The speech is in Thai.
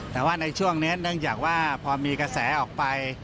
แต่ว่าในช่วงนี้เนื่องจากว่าพอมีกระแสออกไป